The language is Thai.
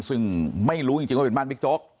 ซึ่งไม่รู้จริงว่าเป็นบ้านบิ๊กโจ๊ก